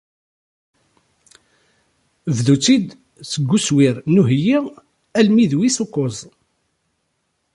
Bdu-tt-id seg uswir n uheyyi almi d wis ukkuẓ.